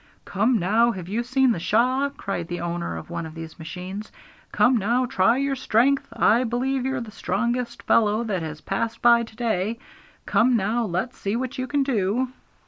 'Come now! have you seen the Shah?' cried the owner of one of these machines. 'Come now, try your strength! I believe you're the strongest fellow that has passed by to day! Come now, let's see what you can do!'